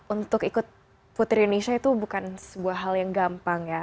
untuk ikut putri indonesia itu bukan sebuah hal yang gampang ya